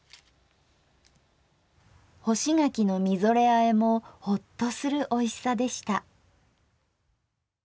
「干し柿のみぞれあえ」もホッとするおいしさでした。